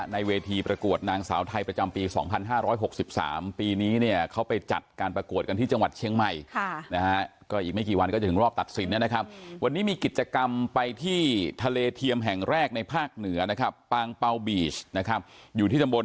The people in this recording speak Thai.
ในเวทย์ประกวดนางสาวไทยประจำปีสองพันห้าร้อยหกสิบสามปีนี้เนี้ย